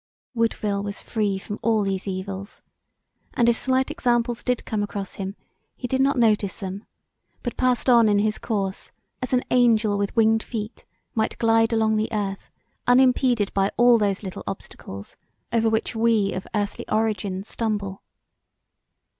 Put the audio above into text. Woodville was free from all these evils; and if slight examples did come across him he did not notice them but passed on in his course as an angel with winged feet might glide along the earth unimpeded by all those little obstacles over which we of earthly origin stumble.